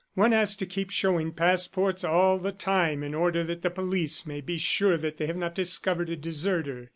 "One has to keep showing passports all the time in order that the police may be sure that they have not discovered a deserter.